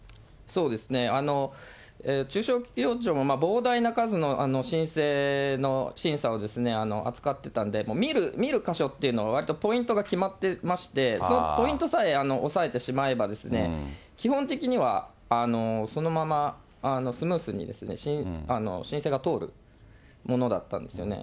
中小企業庁も膨大な数の申請の審査を扱ってたんで、見る箇所っていうのは、わりとポイントが決まってまして、そのポイントさえ押さえてしまえば、基本的にはそのままスムースに申請が通るものだったんですよね。